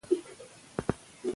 په افغانستان کې د واوره منابع شته.